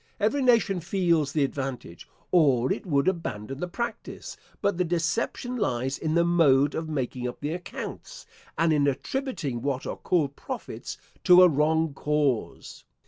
Every nation feels the advantage, or it would abandon the practice: but the deception lies in the mode of making up the accounts, and in attributing what are called profits to a wrong cause.